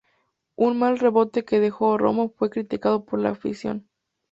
Un mal rebote que dejó Romo fue criticado por la afición.